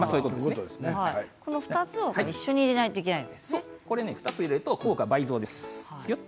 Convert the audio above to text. ２つを一緒に入れないと２つ入れると効果倍増です。